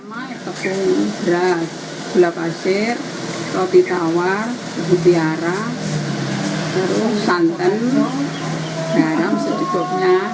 sama tepung beras gula pasir roti tawar mutiara terus santan garam sedikitnya